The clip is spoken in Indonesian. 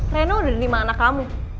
reno udah ada lima anak kamu